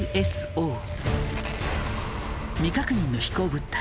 未確認の飛行物体